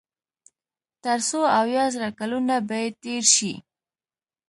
تر څو اويا زره کلونه به ئې تېر شي